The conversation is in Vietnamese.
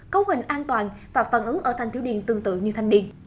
cấu hình an toàn và phản ứng ở thanh thiếu niên tương tự như thanh niên